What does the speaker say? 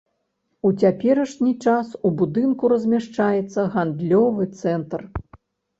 У цяперашні час у будынку размяшчаецца гандлёвы цэнтр.